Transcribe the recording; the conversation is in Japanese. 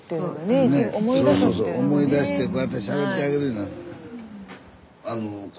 スタジオ思い出してこうやってしゃべってあげるいうのは。